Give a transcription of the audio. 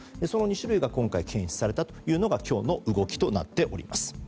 その２種類が今回、検出されたというのが今日の動きとなっております。